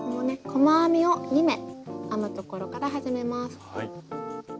細編みを２目編むところから始めます。